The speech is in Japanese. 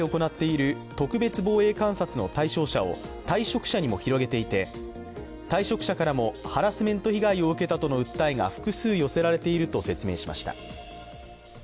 また会合に出席した防衛省の担当者は現在行っている特別防衛監察の対象者を退職者にも広げていて、退職者からもハラスメント被害を受けたとの訴えが複数寄せられていると説明しました。